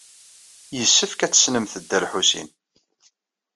Yessefk ad tessnemt Dda Lḥusin.